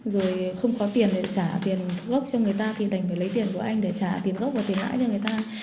rồi không có tiền để trả tiền gốc cho người ta tiền đành phải lấy tiền của anh để trả tiền gốc và tiền hãi cho người ta